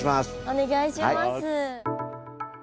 お願いします。